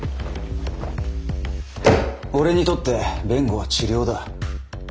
俺にとって弁護は治療だ。